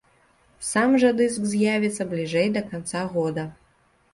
Сам жа дыск з'явіцца бліжэй да канца года.